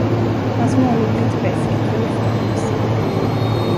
Han smålog lite beskt och lyfte på mössan.